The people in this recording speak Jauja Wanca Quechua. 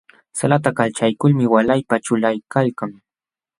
Salata kalchaykulmi walaypa ćhulaykalkan.